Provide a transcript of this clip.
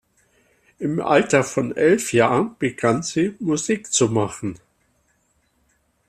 Im Alter von elf Jahren begann sie, Musik zu machen.